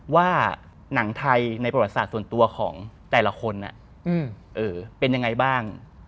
ว่าหนังไทยในประวัติศาสตร์ส่วนตัวของแต่ละคนเป็นยังไงบ้าง